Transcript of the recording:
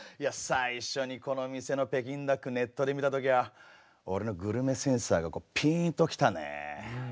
最初にこの店の北京ダックネットで見た時は俺のグルメセンサーがピンと来たね。